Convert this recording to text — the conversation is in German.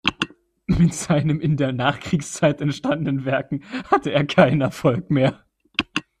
Mit seinen in der Nachkriegszeit entstandenen Werken hatte er keinen Erfolg mehr.